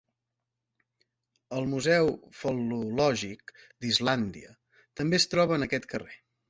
El Museu fal·lològic d'Islàndia també es troba en aquest carrer.